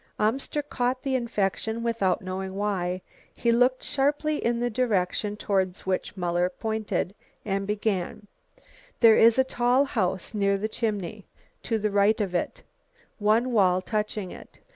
Amster caught the infection without knowing why. He looked sharply in the direction towards which Muller pointed, and began: "There is a tall house near the chimney, to the right of it, one wall touching it.